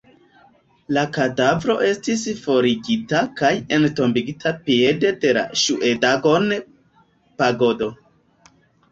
La kadavro estis forigita kaj entombigita piede de la Ŝŭedagon-pagodo.